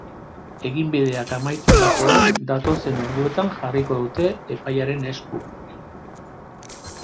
Eginbideak amaitutakoan, datozen orduetan jarriko dute epailearen esku.